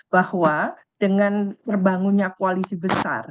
bahwa dengan terbangunnya koalisi besar